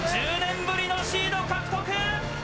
１０年ぶりのシード獲得。